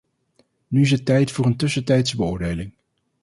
Nu is het tijd voor een tussentijdse beoordeling.